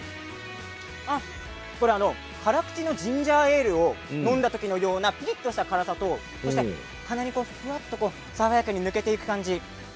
辛口のジンジャーエールを飲んだ時のようなピリッとした辛さとふわっと鼻に抜けていく感じ